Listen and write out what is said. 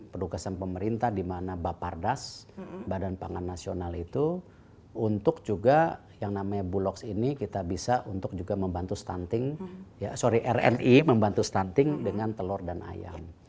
pedugasan pemerintah di mana bapardas badan pangan nasional itu untuk juga yang namanya bulog ini kita bisa untuk juga membantu stunting ya sorry rni membantu stunting dengan telur dan ayam